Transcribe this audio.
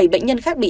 bảy bệnh nhân khác bị